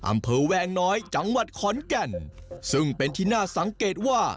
อำเภอแวงน้อยจังหวัดขอนแก่นซึ่งเป็นที่น่าสังเกตว่า